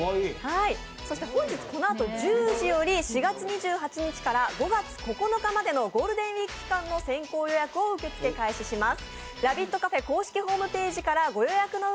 本日このあと１０時より４月２８日から５月９日までのゴールデンウイーク期間の先行予約を受け付け開始します。